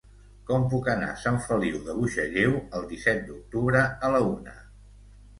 Com puc anar a Sant Feliu de Buixalleu el disset d'octubre a la una?